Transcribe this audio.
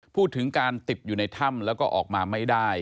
พูดถึงการติดอยู่ในถ้ำแล้วก็ออกมาไม่ได้